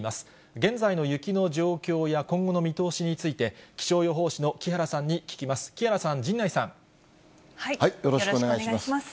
現在の雪の状況や今後の見通しについて、気象予報士の木原さんによろしくお願いします。